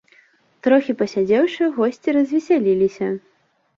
Трохі пасядзеўшы, госці развесяліліся.